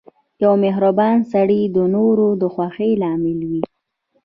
• یو مهربان سړی د نورو د خوښۍ لامل وي.